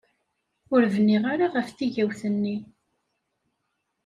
Ur bniɣ ara ɣef tigawt-nni.